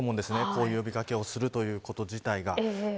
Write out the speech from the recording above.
こういう呼び掛けをすること自体が。